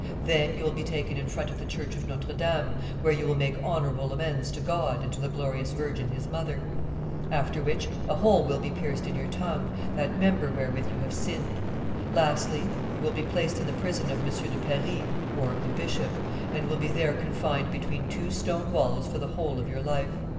Then you will be taken in front of the church of Notre Dame, where you will make honorable amends to God and to the glorious Virgin His Mother. After which a hole will be pierced in your tongue, that member wherewith you have sinned. Lastly, you will be placed in the prison of Monsieur de Paris (the bishop), and will be there confined between two stone walls for the whole of your life.